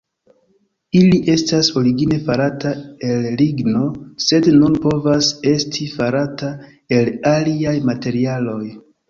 Ili estas origine farata el ligno, sed nun povas esti farata el aliaj materialoj.